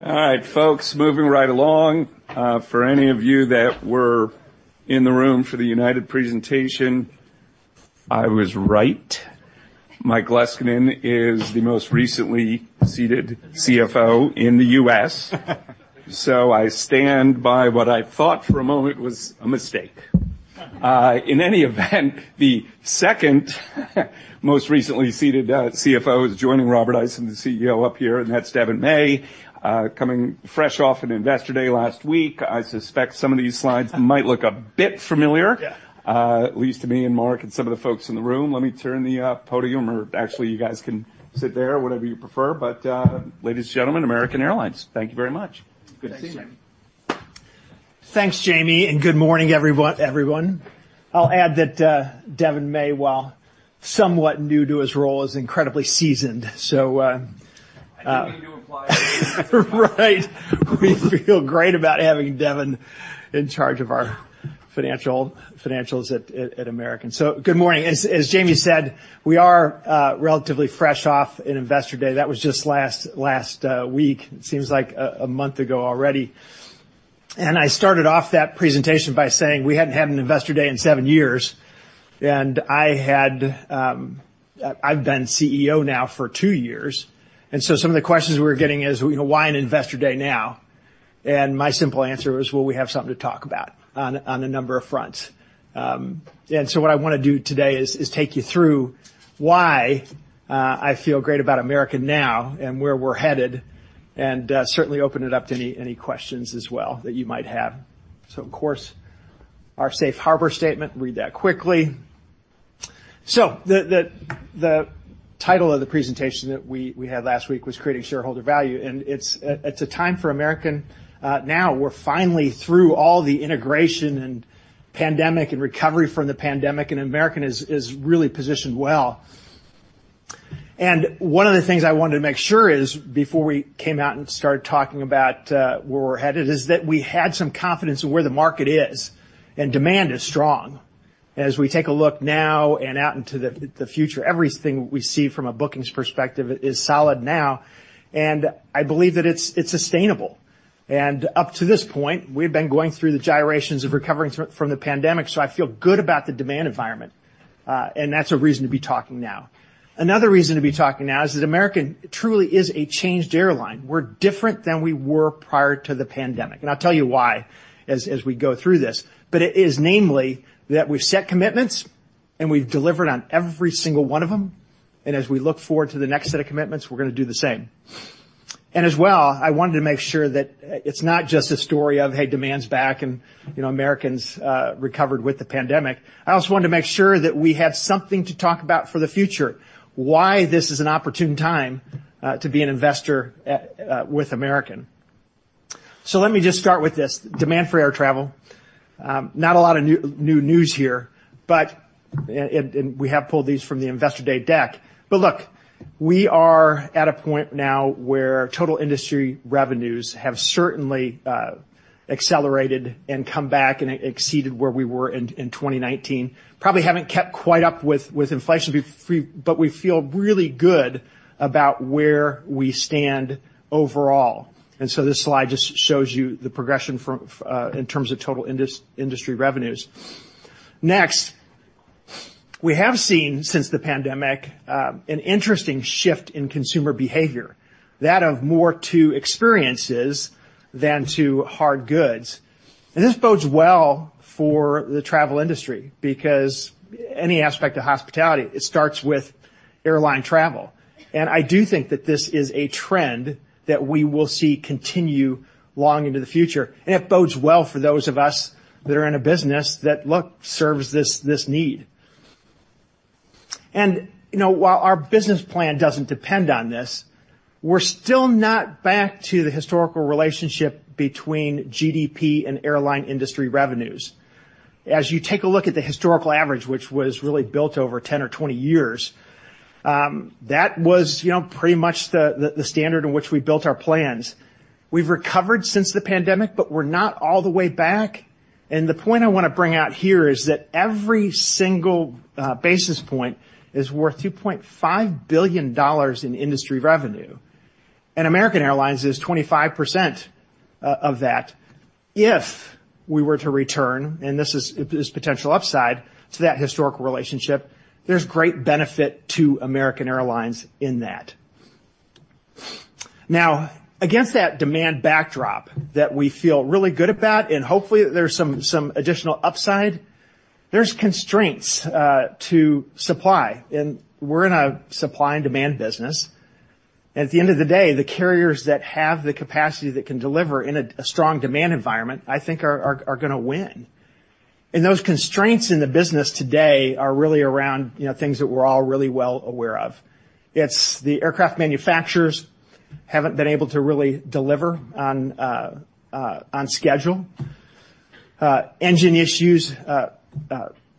All right, folks, moving right along. For any of you that were in the room for the United presentation, I was right. Mike Leskinen is the most recently seated CFO in the U.S., so I stand by what I thought for a moment was a mistake. In any event, the second most recently seated CFO is joining Robert Isom, the CEO, up here, and that's Devon May. Coming fresh off an investor day last week, I suspect some of these slides might look a bit familiar, at least to me and Mark and some of the folks in the room. Let me turn the podium, or actually, you guys can sit there, whatever you prefer. But, ladies and gentlemen, American Airlines, thank you very much. Good to see you. Thanks, Jamie, and good morning, everyone, everyone. I'll add that, Devon May, while somewhat new to his role, is incredibly seasoned, so, I think we need to apply. Right. We feel great about having Devon in charge of our financials at American. So good morning. As Jamie said, we are relatively fresh off an investor day. That was just last week; it seems like a month ago already. And I started off that presentation by saying we hadn't had an investor day in seven years, and I've been CEO now for two years. And so some of the questions we were getting is, well, you know, why an investor day now? And my simple answer was, well, we have something to talk about on a number of fronts. And so what I wanna do today is take you through why I feel great about American now and where we're headed, and certainly open it up to any questions as well that you might have. So, of course, our safe harbor statement, read that quickly. So the title of the presentation that we had last week was Creating Shareholder Value, and it's a time for American, now we're finally through all the integration and pandemic and recovery from the pandemic, and American is really positioned well. And one of the things I wanted to make sure is, before we came out and started talking about, where we're headed, is that we had some confidence in where the market is, and demand is strong. As we take a look now and out into the future, everything we see from a bookings perspective is solid now, and I believe that it's sustainable. Up to this point, we've been going through the gyrations of recovering from the pandemic, so I feel good about the demand environment, and that's a reason to be talking now. Another reason to be talking now is that American truly is a changed airline. We're different than we were prior to the pandemic, and I'll tell you why as we go through this. But it is namely that we've set commitments, and we've delivered on every single one of them, and as we look forward to the next set of commitments, we're gonna do the same. As well, I wanted to make sure that it's not just a story of, "Hey, demand's back," and, you know, American's recovered from the pandemic. I also wanted to make sure that we had something to talk about for the future: why this is an opportune time to be an investor with American. So let me just start with this: demand for air travel. Not a lot of new news here, but and we have pulled these from the investor day deck. But look, we are at a point now where total industry revenues have certainly accelerated and come back and exceeded where we were in 2019. Probably haven't kept quite up with inflation, but we feel really good about where we stand overall. And so this slide just shows you the progression from in terms of total industry revenues. Next, we have seen since the pandemic an interesting shift in consumer behavior, that of more to experiences than to hard goods. This bodes well for the travel industry because any aspect of hospitality, it starts with airline travel. I do think that this is a trend that we will see continue long into the future, and it bodes well for those of us that are in a business that, look, serves this need. You know, while our business plan doesn't depend on this, we're still not back to the historical relationship between GDP and airline industry revenues. As you take a look at the historical average, which was really built over 10 or 20 years, that was, you know, pretty much the standard in which we built our plans. We've recovered since the pandemic, but we're not all the way back. The point I wanna bring out here is that every single basis point is worth $2.5 billion in industry revenue, and American Airlines is 25% of that. If we were to return, and this is is potential upside, to that historical relationship, there's great benefit to American Airlines in that. Now, against that demand backdrop that we feel really good about, and hopefully there's some additional upside, there's constraints to supply, and we're in a supply and demand business. And at the end of the day, the carriers that have the capacity that can deliver in a strong demand environment, I think, are gonna win. And those constraints in the business today are really around, you know, things that we're all really well aware of. It's the aircraft manufacturers haven't been able to really deliver on schedule. Engine issues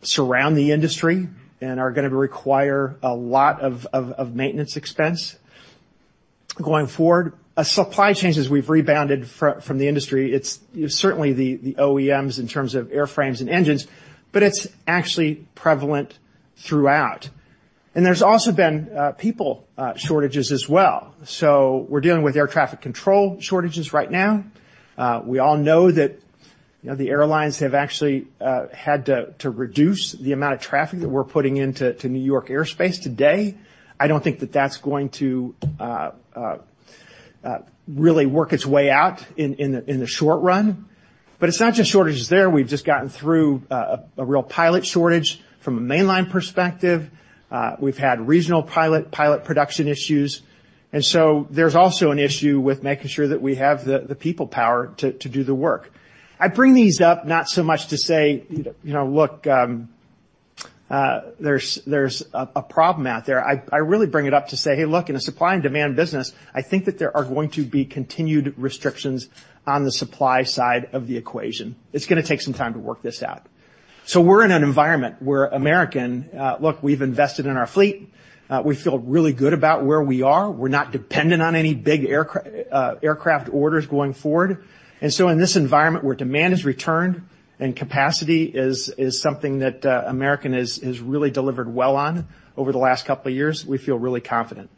surround the industry and are gonna require a lot of maintenance expense going forward. Supply chains, as we've rebounded from the industry, it's, you know, certainly the OEMs in terms of airframes and engines, but it's actually prevalent throughout. And there's also been people shortages as well. So we're dealing with air traffic control shortages right now. We all know that, you know, the airlines have actually had to reduce the amount of traffic that we're putting into New York airspace today. I don't think that that's going to really work its way out in the short run. But it's not just shortages there. We've just gotten through a real pilot shortage from a mainline perspective. We've had regional pilot production issues. And so there's also an issue with making sure that we have the people power to do the work. I bring these up not so much to say, you know, look, there's a problem out there. I really bring it up to say, "Hey, look, in a supply and demand business, I think that there are going to be continued restrictions on the supply side of the equation. It's gonna take some time to work this out." So we're in an environment where American, look, we've invested in our fleet. We feel really good about where we are. We're not dependent on any big aircraft orders going forward. And so in this environment where demand is returned and capacity is something that American has really delivered well on over the last couple of years, we feel really confident.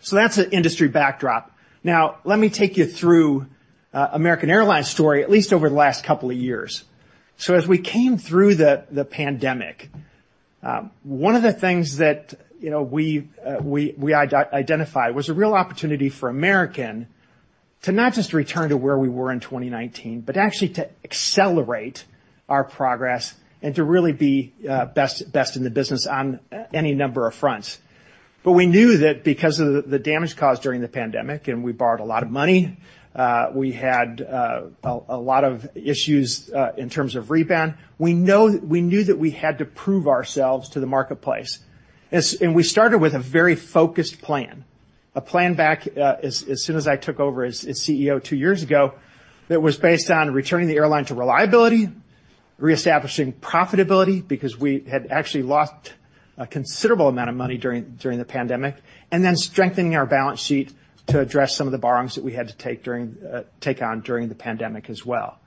So that's the industry backdrop. Now, let me take you through American Airlines' story, at least over the last couple of years. So as we came through the pandemic, one of the things that, you know, we identified was a real opportunity for American to not just return to where we were in 2019, but actually to accelerate our progress and to really be best in the business on any number of fronts. But we knew that because of the damage caused during the pandemic, and we borrowed a lot of money, we had a lot of issues in terms of rebound. We knew that we had to prove ourselves to the marketplace. So we started with a very focused plan, a plan back, as soon as I took over as CEO two years ago that was based on returning the airline to reliability, reestablishing profitability because we had actually lost a considerable amount of money during the pandemic, and then strengthening our balance sheet to address some of the borrowings that we had to take on during the pandemic as well.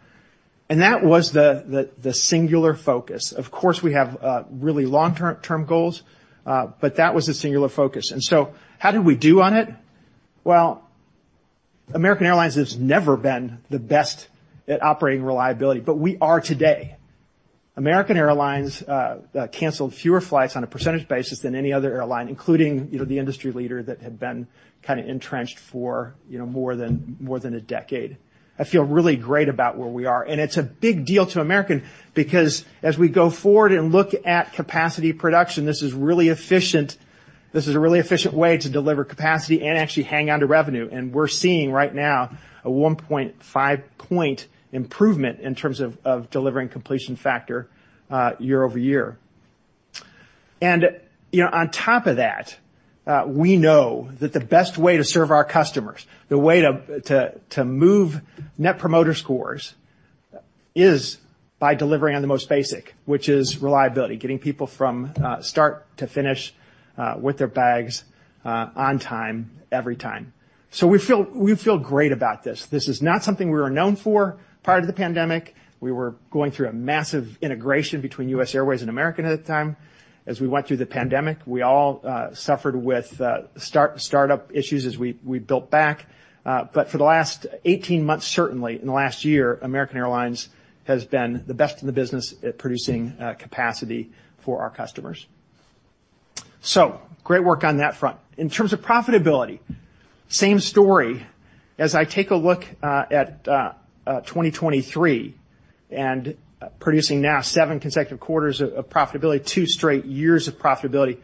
And that was the singular focus. Of course, we have really long-term goals, but that was the singular focus. And so how did we do on it? Well, American Airlines has never been the best at operating reliability, but we are today. American Airlines canceled fewer flights on a percentage basis than any other airline, including, you know, the industry leader that had been kinda entrenched for, you know, more than, more than a decade. I feel really great about where we are, and it's a big deal to American because as we go forward and look at capacity production, this is really efficient. This is a really efficient way to deliver capacity and actually hang on to revenue. We're seeing right now a 1.5-point improvement in terms of, of delivering completion factor, year-over-year. You know, on top of that, we know that the best way to serve our customers, the way to, to, to move Net Promoter Scores, is by delivering on the most basic, which is reliability, getting people from, start to finish, with their bags, on time every time. So we feel great about this. This is not something we were known for prior to the pandemic. We were going through a massive integration between U.S. Airways and American at the time. As we went through the pandemic, we all suffered with startup issues as we built back. For the last 18 months, certainly in the last year, American Airlines has been the best in the business at producing capacity for our customers. So great work on that front. In terms of profitability, same story. As I take a look at 2023 and producing now seven consecutive quarters of profitability, two straight years of profitability,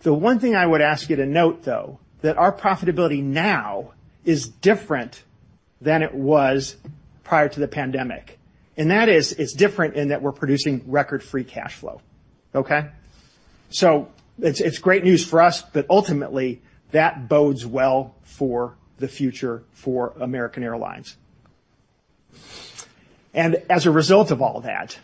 the one thing I would ask you to note, though, that our profitability now is different than it was prior to the pandemic. And that is, it's different in that we're producing record-free cash flow, okay? So it's great news for us, but ultimately, that bodes well for the future for American Airlines. And as a result of all that,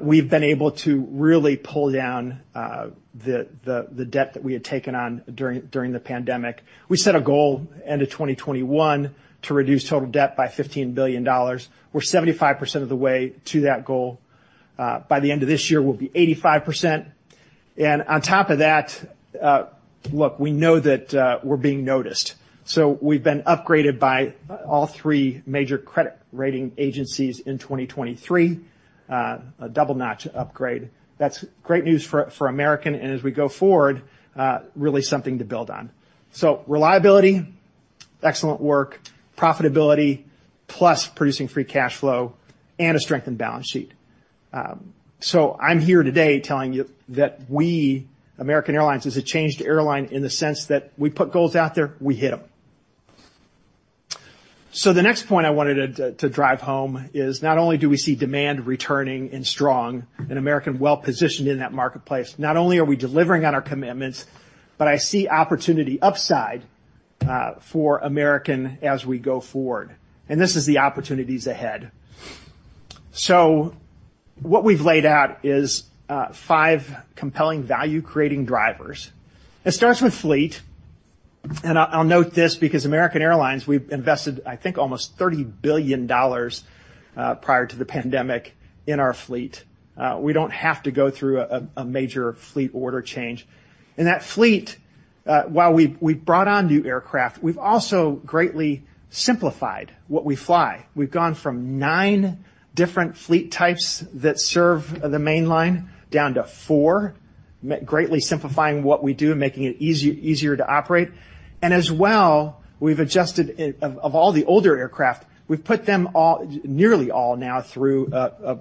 we've been able to really pull down the debt that we had taken on during the pandemic. We set a goal end of 2021 to reduce total debt by $15 billion. We're 75% of the way to that goal. By the end of this year, we'll be 85%. And on top of that, look, we know that we're being noticed. So we've been upgraded by all three major credit rating agencies in 2023, a double-notch upgrade. That's great news for American, and as we go forward, really something to build on. So reliability, excellent work, profitability plus producing free cash flow, and a strengthened balance sheet. So I'm here today telling you that we, American Airlines, is a changed airline in the sense that we put goals out there, we hit them. So the next point I wanted to drive home is not only do we see demand returning and strong and American well-positioned in that marketplace, not only are we delivering on our commitments, but I see opportunity upside for American as we go forward. And this is the opportunities ahead. So what we've laid out is five compelling value-creating drivers. It starts with fleet, and I'll note this because American Airlines, we've invested, I think, almost $30 billion prior to the pandemic in our fleet. We don't have to go through a major fleet order change. And that fleet, while we brought on new aircraft, we've also greatly simplified what we fly. We've gone from 9 different fleet types that serve the mainline down to 4, greatly simplifying what we do and making it easier to operate. As well, we've adjusted all of the older aircraft; we've put them all, nearly all now, through a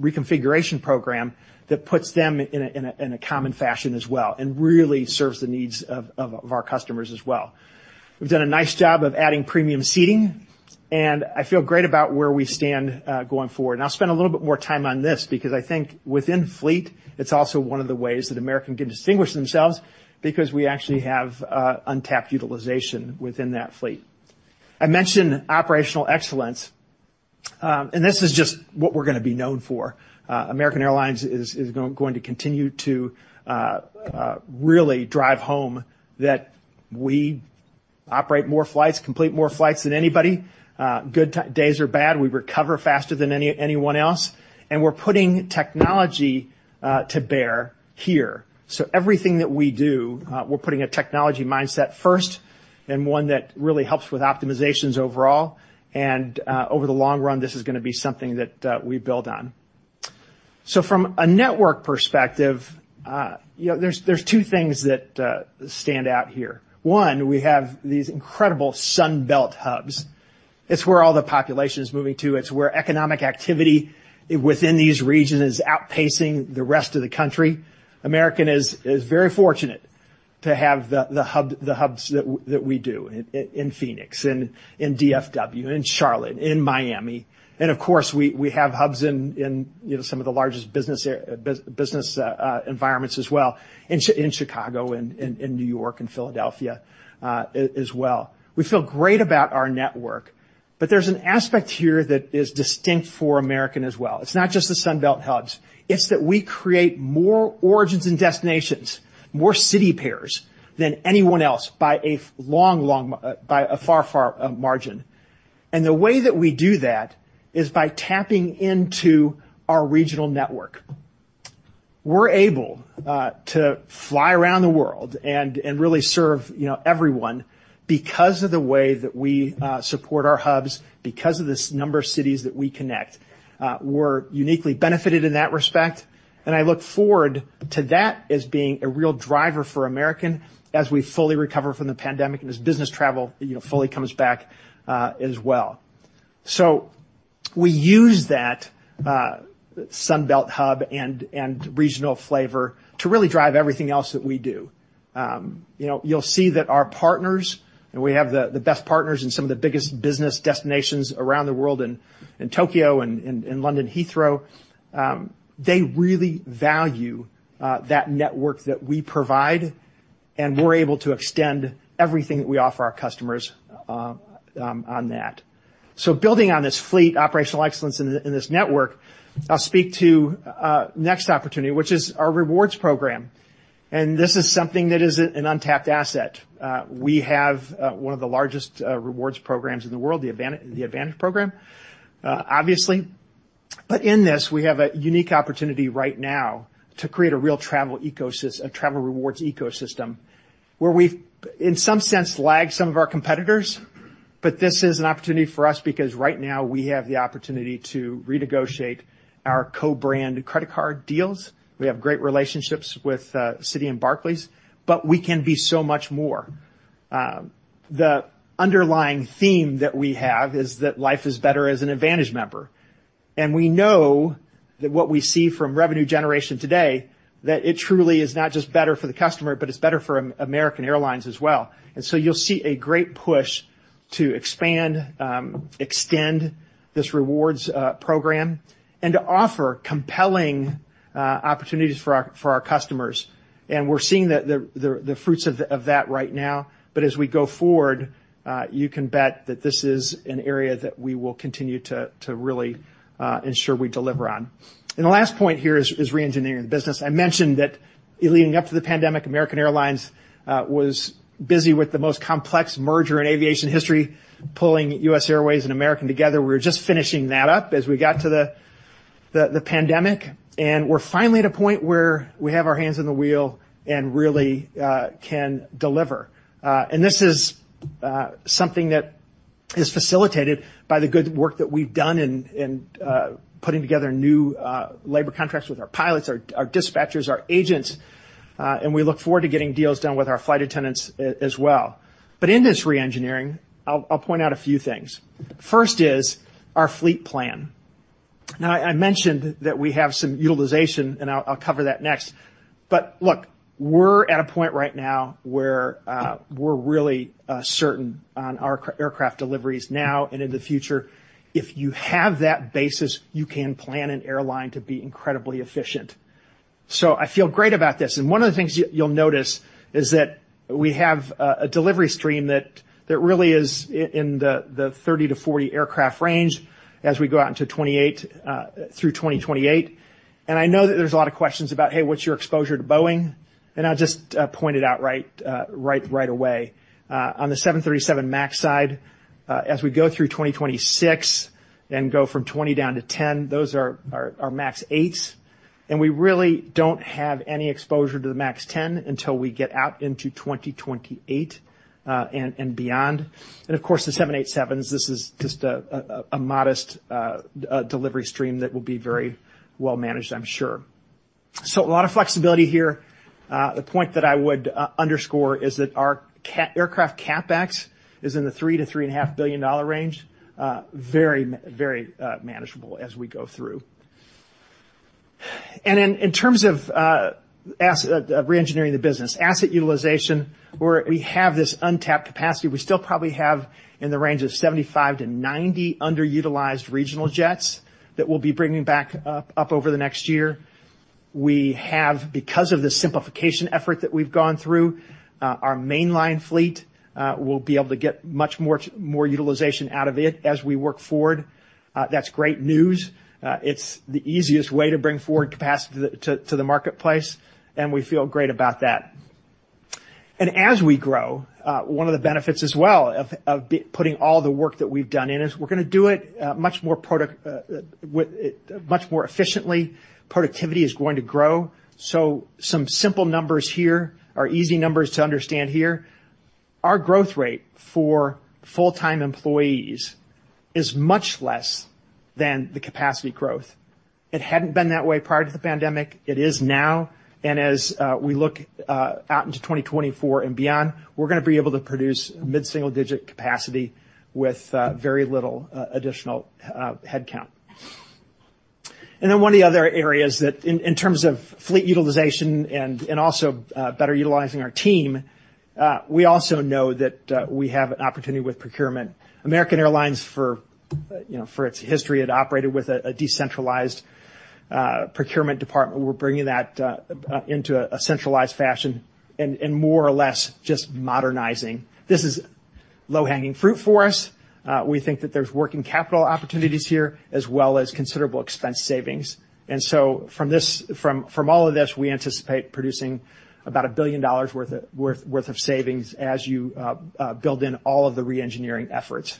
reconfiguration program that puts them in a common fashion as well and really serves the needs of our customers as well. We've done a nice job of adding premium seating, and I feel great about where we stand, going forward. I'll spend a little bit more time on this because I think within fleet, it's also one of the ways that American can distinguish themselves because we actually have untapped utilization within that fleet. I mentioned operational excellence, and this is just what we're gonna be known for. American Airlines is gonna continue to really drive home that we operate more flights, complete more flights than anybody, good times or bad. We recover faster than anyone else. And we're putting technology to bear here. So everything that we do, we're putting a technology mindset first and one that really helps with optimizations overall. And over the long run, this is gonna be something that we build on. So from a network perspective, you know, there's two things that stand out here. One, we have these incredible Sunbelt hubs. It's where all the population is moving to. It's where economic activity within these regions is outpacing the rest of the country. American is very fortunate to have the hubs that we do in Phoenix, in DFW, in Charlotte, in Miami. And of course, we have hubs in, you know, some of the largest business environments as well, in Chicago and New York and Philadelphia, as well. We feel great about our network, but there's an aspect here that is distinct for American as well. It's not just the Sunbelt hubs. It's that we create more origins and destinations, more city pairs than anyone else by a far, far margin. And the way that we do that is by tapping into our regional network. We're able to fly around the world and really serve, you know, everyone because of the way that we support our hubs, because of this number of cities that we connect. We're uniquely benefited in that respect, and I look forward to that as being a real driver for American as we fully recover from the pandemic and as business travel, you know, fully comes back, as well. So we use that Sunbelt hub and regional flavor to really drive everything else that we do. You know, you'll see that our partners and we have the best partners in some of the biggest business destinations around the world in Tokyo and London Heathrow. They really value that network that we provide, and we're able to extend everything that we offer our customers on that. So building on this fleet, operational excellence in this network, I'll speak to next opportunity, which is our rewards program. And this is something that is an untapped asset. We have one of the largest rewards programs in the world, the AAdvantage Program, obviously. But in this, we have a unique opportunity right now to create a real travel ecosystem, a travel rewards ecosystem where we've, in some sense, lagged some of our competitors. But this is an opportunity for us because right now, we have the opportunity to renegotiate our co-brand credit card deals. We have great relationships with Citi and Barclays, but we can be so much more. The underlying theme that we have is that life is better as an AAdvantage member. And we know that what we see from revenue generation today, that it truly is not just better for the customer, but it's better for American Airlines as well. And so you'll see a great push to expand, extend this rewards program and to offer compelling opportunities for our customers. We're seeing the fruits of that right now. But as we go forward, you can bet that this is an area that we will continue to really ensure we deliver on. The last point here is reengineering the business. I mentioned that leading up to the pandemic, American Airlines was busy with the most complex merger in aviation history, pulling U.S. Airways and American together. We were just finishing that up as we got to the pandemic. We're finally at a point where we have our hands on the wheel and really can deliver. This is something that is facilitated by the good work that we've done in putting together new labor contracts with our pilots, our dispatchers, our agents. We look forward to getting deals done with our flight attendants as well. But in this reengineering, I'll, I'll point out a few things. First is our fleet plan. Now, I, I mentioned that we have some utilization, and I'll, I'll cover that next. But look, we're at a point right now where, we're really, certain on our current aircraft deliveries now and in the future. If you have that basis, you can plan an airline to be incredibly efficient. So I feel great about this. And one of the things you-you'll notice is that we have, a delivery stream that, that really is in the 30-40 aircraft range as we go out into 2028, through 2028. And I know that there's a lot of questions about, "Hey, what's your exposure to Boeing?" And I'll just, point it out right away. On the 737 MAX side, as we go through 2026 and go from 20 down to 10, those are MAX 8s. And we really don't have any exposure to the MAX 10 until we get out into 2028 and beyond. And of course, the 787s, this is just a modest delivery stream that will be very well-managed, I'm sure. So a lot of flexibility here. The point that I would underscore is that our aircraft CapEx is in the $3-$3.5 billion range, very manageable as we go through. And in terms of asset reengineering the business, asset utilization, where we have this untapped capacity, we still probably have in the range of 75-90 underutilized regional jets that we'll be bringing back up over the next year. We have, because of the simplification effort that we've gone through, our mainline fleet will be able to get much more utilization out of it as we work forward. That's great news. It's the easiest way to bring forward capacity to the marketplace, and we feel great about that. As we grow, one of the benefits as well of putting all the work that we've done in is we're gonna do it much more productively with it much more efficiently. Productivity is going to grow. So some simple numbers here are easy numbers to understand here. Our growth rate for full-time employees is much less than the capacity growth. It hadn't been that way prior to the pandemic. It is now. As we look out into 2024 and beyond, we're gonna be able to produce mid-single-digit capacity with very little additional headcount. And then one of the other areas that in terms of fleet utilization and also better utilizing our team, we also know that we have an opportunity with procurement. American Airlines, for you know, for its history, it operated with a decentralized procurement department. We're bringing that into a centralized fashion and more or less just modernizing. This is low-hanging fruit for us. We think that there's working capital opportunities here as well as considerable expense savings. And so from this, from all of this, we anticipate producing about $1 billion worth of savings as you build in all of the reengineering efforts.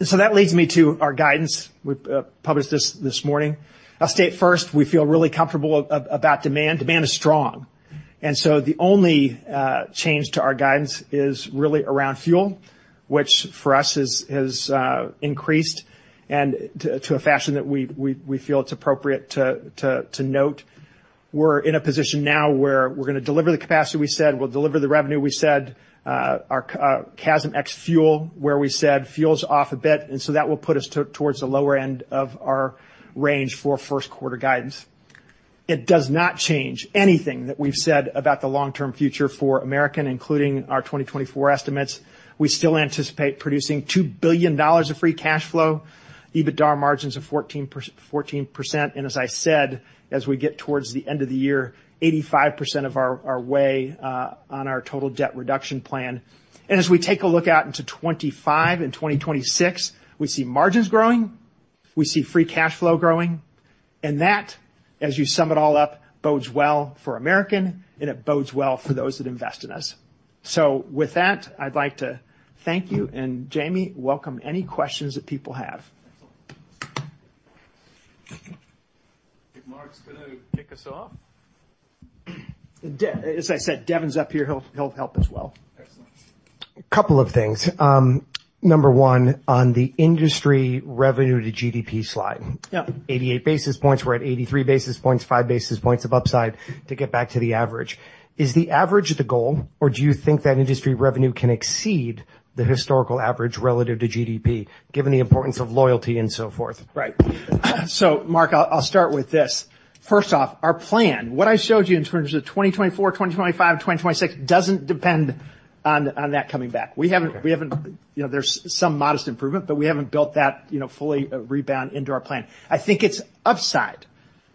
And so that leads me to our guidance. We've published this this morning. I'll state first, we feel really comfortable about demand. Demand is strong. The only change to our guidance is really around fuel, which for us has increased in a fashion that we feel it's appropriate to note. We're in a position now where we're gonna deliver the capacity we said. We'll deliver the revenue we said. Our CASM-ex fuel, where we said, fuel's off a bit. And so that will put us towards the lower end of our range for first-quarter guidance. It does not change anything that we've said about the long-term future for American, including our 2024 estimates. We still anticipate producing $2 billion of free cash flow, EBITDA margins of 14% or 14%. And as I said, as we get towards the end of the year, 85% of the way on our total debt reduction plan. As we take a look out into 2025 and 2026, we see margins growing. We see free cash flow growing. And that, as you sum it all up, bodes well for American, and it bodes well for those that invest in us. So with that, I'd like to thank you. And Jamie, welcome any questions that people have. I think Mark's gonna kick us off. It'd be, as I said, Devon's up here. He'll help as well. Excellent. A couple of things. Number one, on the industry revenue to GDP slide. Yeah. 88 basis points. We're at 83 basis points, 5 basis points of upside to get back to the average. Is the average the goal, or do you think that industry revenue can exceed the historical average relative to GDP, given the importance of loyalty and so forth? Right. So Mark, I'll start with this. First off, our plan, what I showed you in terms of 2024, 2025, and 2026 doesn't depend on that coming back. We haven't, you know, there's some modest improvement, but we haven't built that, you know, fully rebound into our plan. I think it's upside.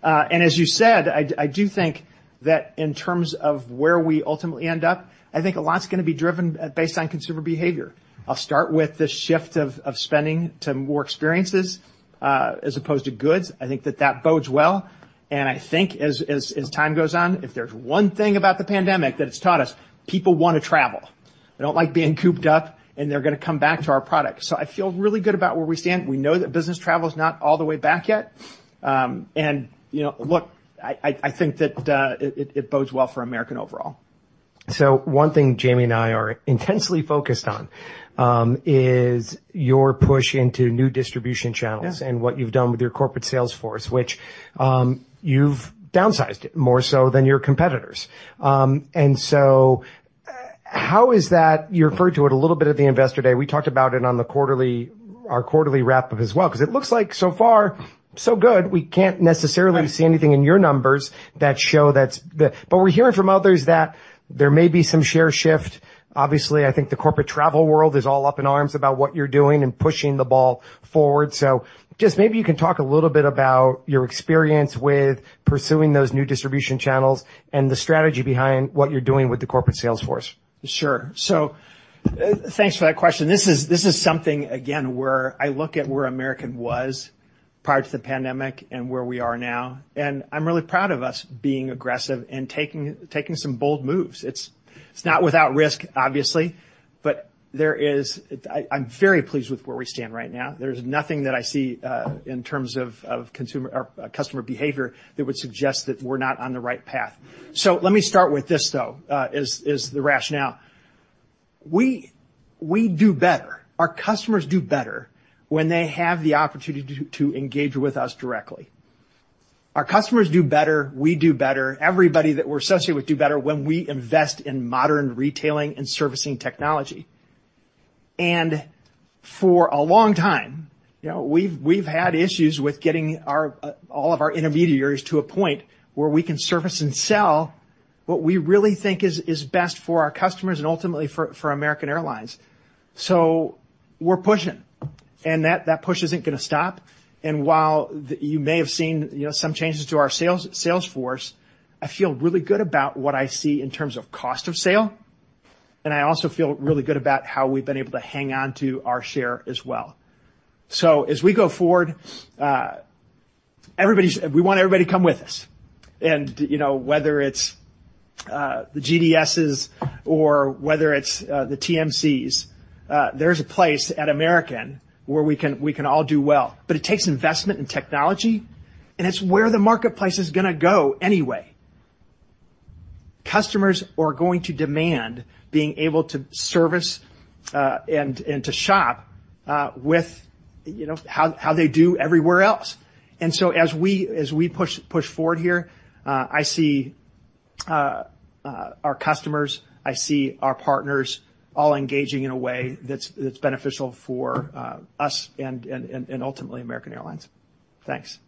And as you said, I do think that in terms of where we ultimately end up, I think a lot's gonna be driven based on consumer behavior. I'll start with the shift of spending to more experiences, as opposed to goods. I think that bodes well. And I think as time goes on, if there's one thing about the pandemic that it's taught us, people wanna travel. They don't like being cooped up, and they're gonna come back to our product. So I feel really good about where we stand. We know that business travel's not all the way back yet. You know, look, I think that it bodes well for American overall. One thing Jamie and I are intensely focused on is your push into new distribution channels. Yes. What you've done with your corporate sales force, which you've downsized more so than your competitors, and so how is that you referred to it a little bit at the investor day. We talked about it on the quarterly, our quarterly wrap-up as well 'cause it looks like so far, so good. We can't necessarily see anything in your numbers that show that's the but we're hearing from others that there may be some share shift. Obviously, I think the corporate travel world is all up in arms about what you're doing and pushing the ball forward. So just maybe you can talk a little bit about your experience with pursuing those new distribution channels and the strategy behind what you're doing with the corporate sales force. Sure. So, thanks for that question. This is something, again, where I look at where American was prior to the pandemic and where we are now. And I'm really proud of us being aggressive and taking some bold moves. It's not without risk, obviously, but I'm very pleased with where we stand right now. There's nothing that I see, in terms of consumer or customer behavior that would suggest that we're not on the right path. So let me start with this, though, the rationale. We do better. Our customers do better when they have the opportunity to engage with us directly. Our customers do better. We do better. Everybody that we're associated with do better when we invest in modern retailing and servicing technology. And for a long time, you know, we've had issues with getting our all of our intermediaries to a point where we can service and sell what we really think is best for our customers and ultimately for American Airlines. So we're pushing, and that push isn't gonna stop. And while you may have seen, you know, some changes to our sales force, I feel really good about what I see in terms of cost of sale. And I also feel really good about how we've been able to hang onto our share as well. So as we go forward, everybody's we want everybody to come with us. And, you know, whether it's the GDSs or whether it's the TMCs, there's a place at American where we can all do well. But it takes investment in technology, and it's where the marketplace is gonna go anyway. Customers are going to demand being able to service, and to shop, with, you know, how they do everywhere else. And so as we push forward here, I see our customers, I see our partners all engaging in a way that's beneficial for us and ultimately American Airlines. Thanks.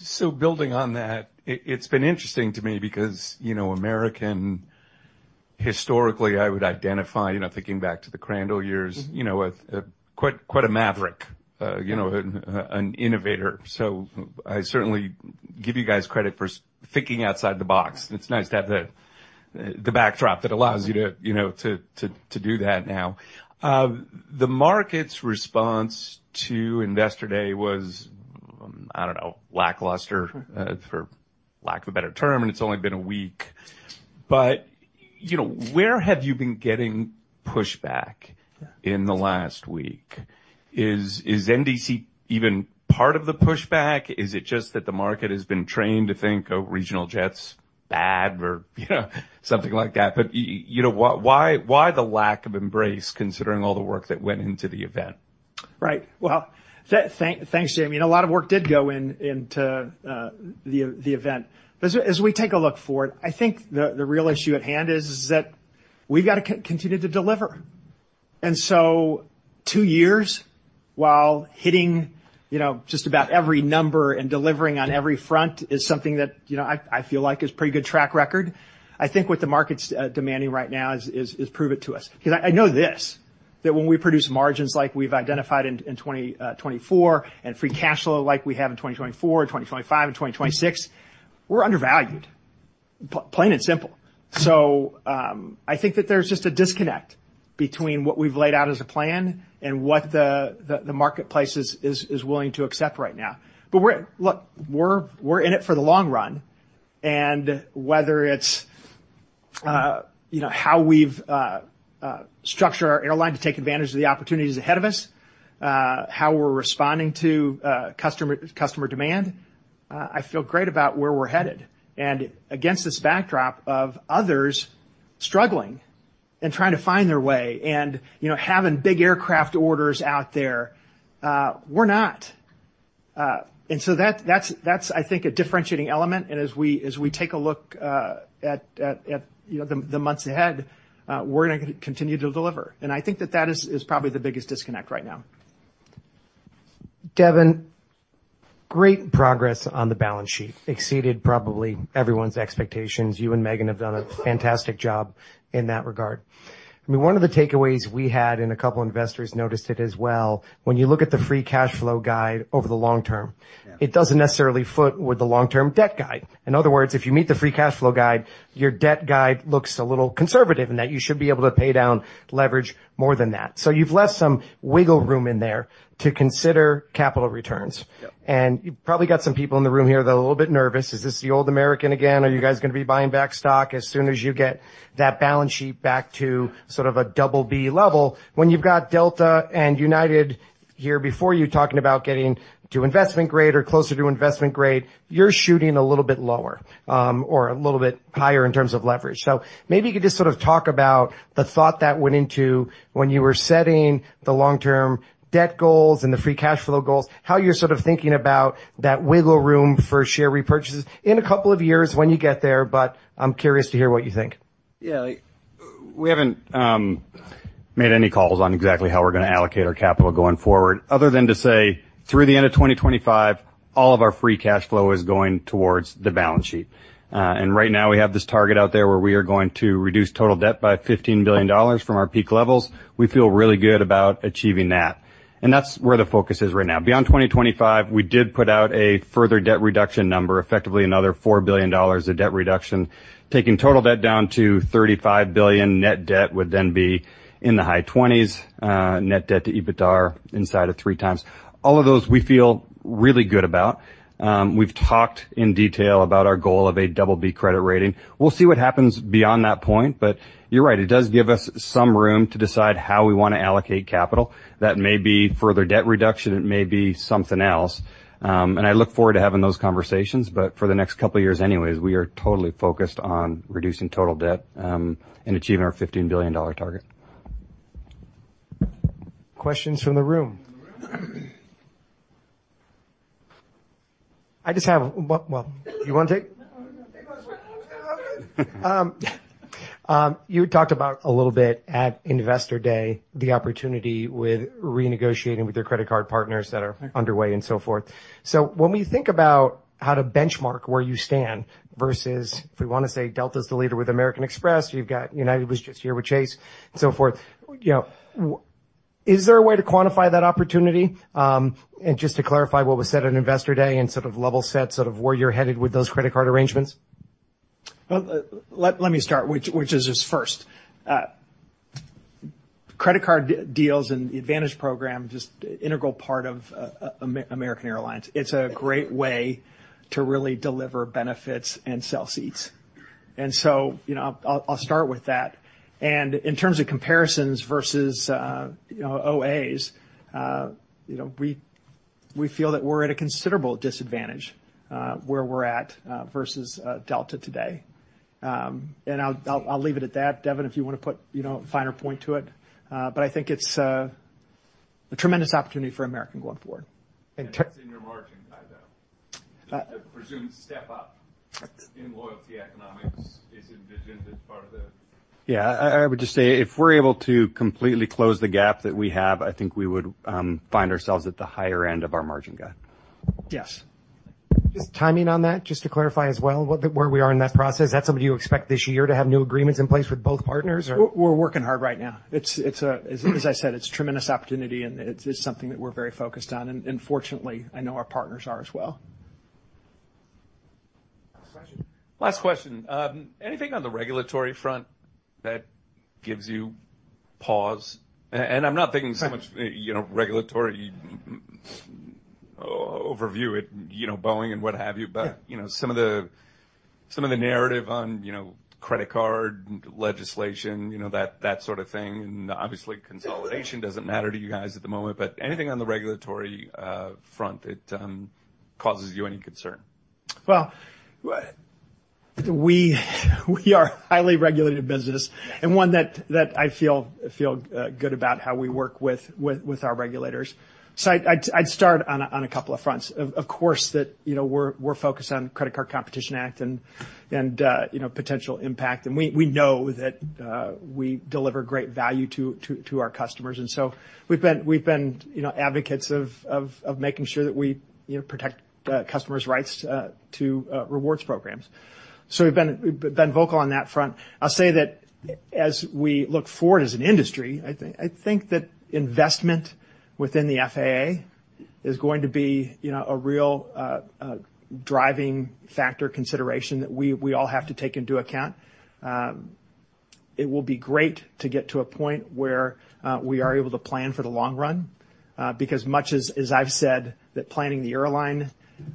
So building on that, it's been interesting to me because, you know, American, historically, I would identify, you know, thinking back to the Crandall years, you know, as quite a maverick, you know, an innovator. So I certainly give you guys credit for thinking outside the box. It's nice to have the backdrop that allows you to, you know, to do that now. The market's response to investor day was, I don't know, lackluster, for lack of a better term. And it's only been a week. But, you know, where have you been getting pushback in the last week? Is NDC even part of the pushback? Is it just that the market has been trained to think, "Oh, regional jets bad," or, you know, something like that? But you know, why, why, why the lack of embrace considering all the work that went into the event? Right. Well, thanks, Jamie. And a lot of work did go into the event. But as we take a look forward, I think the real issue at hand is that we've gotta continue to deliver. And so two years while hitting, you know, just about every number and delivering on every front is something that, you know, I feel like is pretty good track record. I think what the market's demanding right now is prove it to us. 'Cause I know this, that when we produce margins like we've identified in 2024 and free cash flow like we have in 2024, 2025, and 2026, we're undervalued, plain and simple. So, I think that there's just a disconnect between what we've laid out as a plan and what the marketplace is willing to accept right now. But we're in it for the long run. And whether it's, you know, how we've structured our airline to take advantage of the opportunities ahead of us, how we're responding to customer demand, I feel great about where we're headed. And against this backdrop of others struggling and trying to find their way and, you know, having big aircraft orders out there, we're not. And so that's, I think, a differentiating element. And as we take a look at, you know, the months ahead, we're gonna continue to deliver. And I think that is probably the biggest disconnect right now. Devon, great progress on the balance sheet. Exceeded probably everyone's expectations. You and Meghan have done a fantastic job in that regard. I mean, one of the takeaways we had, and a couple of investors noticed it as well, when you look at the free cash flow guide over the long term, it doesn't necessarily foot with the long-term debt guide. In other words, if you meet the free cash flow guide, your debt guide looks a little conservative in that you should be able to pay down leverage more than that. So you've left some wiggle room in there to consider capital returns. Yep. You've probably got some people in the room here that are a little bit nervous. Is this the old American again? Are you guys gonna be buying back stock as soon as you get that balance sheet back to sort of a double B level? When you've got Delta and United here before you talking about getting to investment grade or closer to investment grade, you're shooting a little bit lower, or a little bit higher in terms of leverage. Maybe you could just sort of talk about the thought that went into when you were setting the long-term debt goals and the free cash flow goals, how you're sort of thinking about that wiggle room for share repurchases in a couple of years when you get there. I'm curious to hear what you think. Yeah. We haven't made any calls on exactly how we're gonna allocate our capital going forward other than to say, through the end of 2025, all of our free cash flow is going towards the balance sheet. And right now, we have this target out there where we are going to reduce total debt by $15 billion from our peak levels. We feel really good about achieving that. And that's where the focus is right now. Beyond 2025, we did put out a further debt reduction number, effectively another $4 billion of debt reduction. Taking total debt down to $35 billion, net debt would then be in the high 20s, net debt to EBITDA inside of three times. All of those, we feel really good about. We've talked in detail about our goal of a double B credit rating. We'll see what happens beyond that point. But you're right. It does give us some room to decide how we wanna allocate capital. That may be further debt reduction. It may be something else. I look forward to having those conversations. But for the next couple of years anyways, we are totally focused on reducing total debt, and achieving our $15 billion target. Questions from the room? I just have, well, you wanna take? You talked about a little bit at investor day the opportunity with renegotiating with your credit card partners that are underway and so forth. So when we think about how to benchmark where you stand versus if we wanna say Delta's the leader with American Express, you've got United was just here with Chase and so forth. You know, is there a way to quantify that opportunity? And just to clarify what was said at investor day and sort of level set sort of where you're headed with those credit card arrangements? Well, let me start, which is just first. Credit card deals and the Advantage program just integral part of American Airlines. It's a great way to really deliver benefits and sell seats. And so, you know, I'll start with that. And in terms of comparisons versus, you know, OAs, you know, we feel that we're at a considerable disadvantage, where we're at, versus Delta today. And I'll leave it at that, Devon, if you wanna put, you know, a finer point to it. But I think it's a tremendous opportunity for American going forward. And t. That's in your margin guide, though. The presumed step up in loyalty economics is envisioned as part of the. Yeah. I would just say if we're able to completely close the gap that we have, I think we would find ourselves at the higher end of our margin guide. Yes. Just timing on that, just to clarify as well, what the where we are in that process. Is that something you expect this year to have new agreements in place with both partners, or? We're working hard right now. It's, as I said, it's a tremendous opportunity, and it's something that we're very focused on. And fortunately, I know our partners are as well. Last question. Anything on the regulatory front that gives you pause? And I'm not thinking so much, you know, regulatory overview at, you know, Boeing and what have you. But, you know, some of the narrative on, you know, credit card legislation, you know, that sort of thing. And obviously, consolidation doesn't matter to you guys at the moment. But anything on the regulatory front that causes you any concern? Well, we are a highly regulated business and one that I feel good about how we work with our regulators. So I'd start on a couple of fronts. Of course that, you know, we're focused on Credit Card Competition Act and, you know, potential impact. And we know that we deliver great value to our customers. And so we've been, you know, advocates of making sure that we, you know, protect customers' rights to rewards programs. So we've been vocal on that front. I'll say that as we look forward as an industry, I think that investment within the FAA is going to be, you know, a real driving factor consideration that we all have to take into account. It will be great to get to a point where we are able to plan for the long run, because much as, as I've said, that planning the airline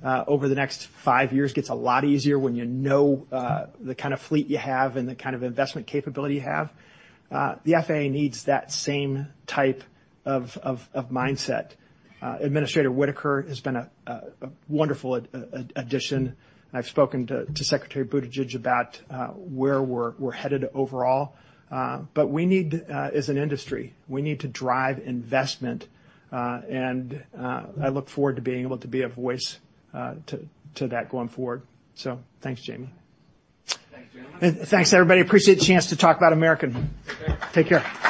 over the next five years gets a lot easier when you know the kind of fleet you have and the kind of investment capability you have. The FAA needs that same type of mindset. Administrator Whitaker has been a wonderful addition. I've spoken to Secretary Buttigieg about where we're headed overall. But we need, as an industry, we need to drive investment. I look forward to being able to be a voice to that going forward. So thanks, Jamie. Thanks, Jeremy. Thanks, everybody. Appreciate the chance to talk about American. Take care.